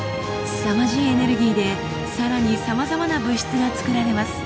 すさまじいエネルギーでさらにさまざまな物質が作られます。